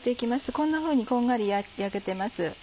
こんなふうにこんがり焼けてます。